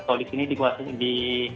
kalau di sini di